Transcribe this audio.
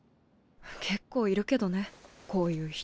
結構いるけどねこういう人。